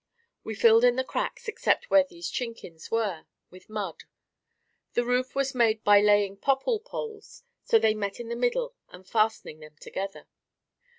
We filled in the cracks except where these chinkins were, with mud. The roof was made by laying popple poles so they met in the middle and fastening them together.